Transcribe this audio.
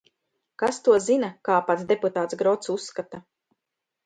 Kas to zina, kā pats deputāts Grots uzskata.